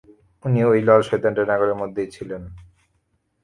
উনি ঐ লাল শয়তানটার নাগালের মধ্যেই ছিলেন।